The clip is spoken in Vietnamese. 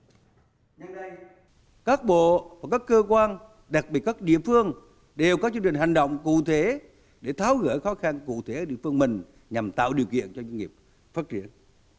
các bộ và các cơ quan đặc biệt các địa phương đều có chương trình hành động cụ thể để tháo gỡ khó khăn cụ thể ở địa phương mình nhằm tạo điều kiện cho doanh nghiệp phát triển